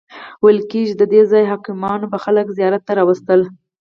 ویل کیږي دده ځایي حاکمانو به خلک زیارت ته راوستل.